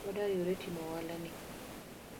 Wadwaro riwore timo oala ni